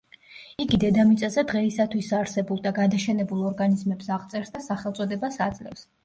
იგი დედამიწაზე დღეისათვის არსებულ და გადაშენებულ ორგანიზმებს აღწერს და სახელწოდებას აძლევს.